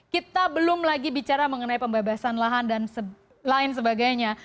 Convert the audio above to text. kita belum lagi bicara mengenai pembebasan lahan dan lain sebagainya